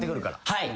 はい。